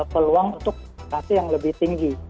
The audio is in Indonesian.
peluang untuk investasi yang lebih tinggi